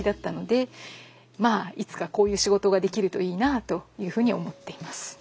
あいつかこういう仕事ができるといいなぁというふうに思っています。